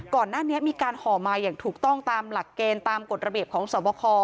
ก่อนหน้านี้มีการห่อมาอย่างถูกต้องตามหลักเกณฑ์ตามกฎระเบียบของสวบค